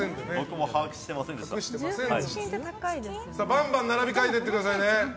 バンバン並び替えてください。